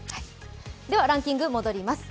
ランキングに戻ります。